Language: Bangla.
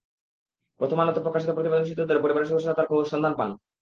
প্রথম আলোতে প্রকাশিত প্রতিবেদনের সূত্র ধরে পরিবারের সদস্যরা তাঁর সন্ধান পান।